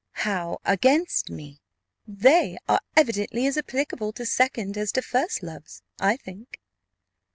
"How against me?" "They are evidently as applicable to second as to first loves, I think."